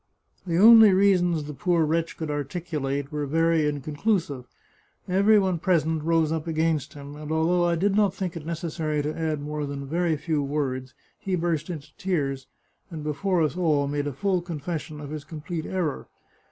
The only reasons the poor wretch could articulate were very inconclusive. Every one present rose up against him, and although I did not think it necessary to add more than a very few words, he burst into tears, and be fore us all made a full confession of his complete error.